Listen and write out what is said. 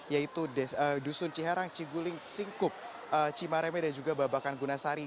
yaitu dusun ciharang ciguling singkup cimareme dan juga babakan gunasari